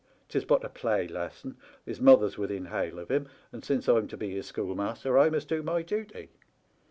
'Tis but a play lesson. His mother's within hail of him, and since I'm to be his schoolmaster I must do my duty.'